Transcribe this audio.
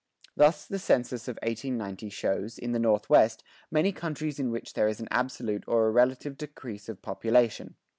Thus the census of 1890 shows, in the Northwest, many counties in which there is an absolute or a relative decrease of population.